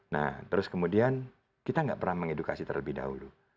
nah terus kemudian kita nggak pernah mengedukasi terlebih dahulu